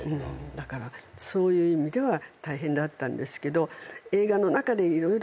だからそういう意味では大変だったんですけど映画の中で色々こう。